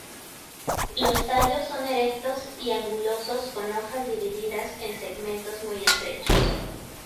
Los tallos son erectos y angulosos con hojas divididas en segmentos muy estrechos.